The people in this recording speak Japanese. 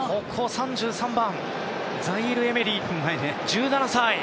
３３番ザイール・エメリ、１７歳！